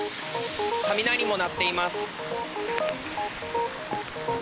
雷も鳴っています。